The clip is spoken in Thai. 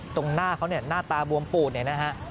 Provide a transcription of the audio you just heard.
ตรงหน้าเขาเนี่ยหน้าตาบวมปูดเนี่ยนะฮะ